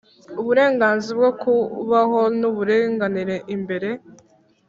uburenganzira bwo kubaho n'uburinganire imbere